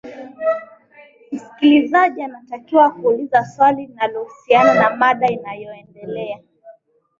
msikilizaji anatakiwa kuuliza swali linalohusiana na mada inayoendelea